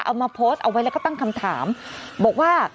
เอามาโพสต์เอาไว้แล้วก็ตั้งคำถามบอกว่า